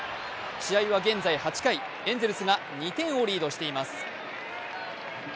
試合は現在８回、エンゼルスが２点をリードしています。